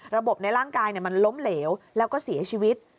ในร่างกายมันล้มเหลวแล้วก็เสียชีวิต